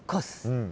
うん。